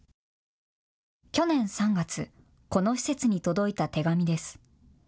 去年３月、この施設に届いた手紙です。